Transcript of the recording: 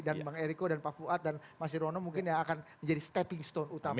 dan bang henrico dan pak fuad dan mas jirono mungkin yang akan menjadi stepping stone utama